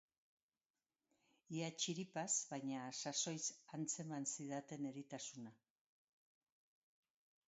Ia txiripaz, baina sasoiz antzeman zidaten eritasuna.